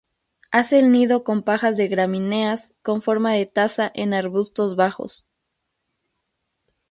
Hace el nido con pajas de gramíneas, con forma de taza, en arbustos bajos.